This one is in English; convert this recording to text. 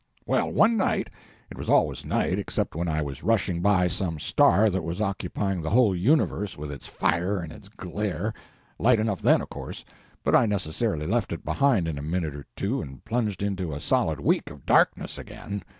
Well, one night—it was always night, except when I was rushing by some star that was occupying the whole universe with its fire and its glare—light enough then, of course, but I necessarily left it behind in a minute or two and plunged into a solid week of darkness again.